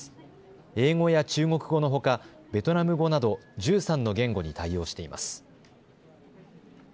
英語や中国語のほかベトナム語など１３の言語に対応しています。